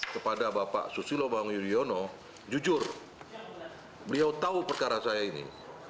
kepada bapak susilo bambang yudhoyono jujur beliau tahu perkara saya ini